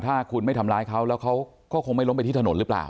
ถ้าคุณไม่ทำร้ายเขาแล้วเขาก็คงไม่ล้มไปที่ถนนหรือเปล่า